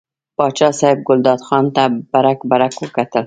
پاچا صاحب ګلداد خان ته برګ برګ وکتل.